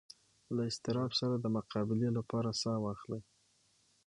له اضطراب سره د مقابلې لپاره ساه واخلئ.